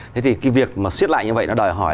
thế thì cái việc mà xiết lại như vậy nó đòi hỏi